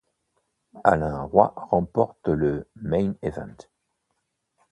Alain Roy remporte le Main Event.